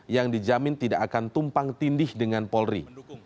yang dijamin tidak akan tumpang tindih dengan polri